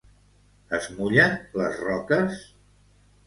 Es mullen les roques?